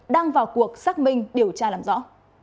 đang vào cuộc xác minh điều tra làm rõ